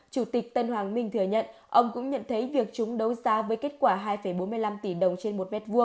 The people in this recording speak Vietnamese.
chủ tịch tân hoàng minh thừa nhận ông cũng nhận thấy việc chúng đấu giá với kết quả hai bốn mươi năm tỷ đồng trên một m hai